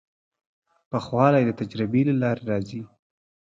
پوخوالی د تجربې له لارې راځي.